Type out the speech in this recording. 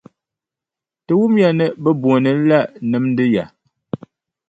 Ti wumya ni bɛ booni li la nimdi ya.